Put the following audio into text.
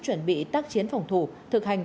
chuẩn bị tác chiến phòng thủ thực hành